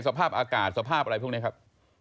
สภาพอากาศสภาพอะไรพวกนี้ครับ